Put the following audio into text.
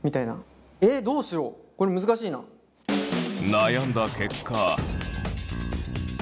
悩んだ結果。